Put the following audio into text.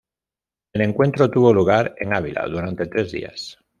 El encuentro tuvo lugar en Ávila durante tres días.